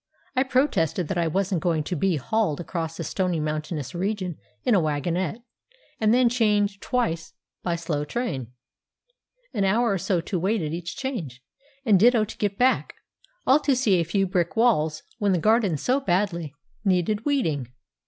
I protested that I wasn't going to be hauled across a stony mountainous region in a wagonette, and then change twice by slow train, an hour or so to wait at each change, and ditto to get back, all to see a few brick walls, when the garden so badly needed weeding.